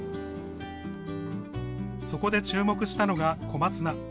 そこで注目したのが、小松菜。